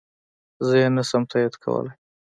زه يي نشم تاييد کولی